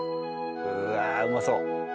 うわあうまそう！